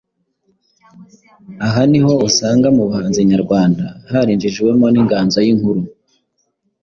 Aha ni ho usanga mu buhanzi nyarwanda harinjijwemo nk’inganzo y’inkuru